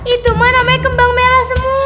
itu mah namanya kembang merah semua